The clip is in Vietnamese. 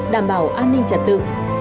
đảm bảo an ninh trật tự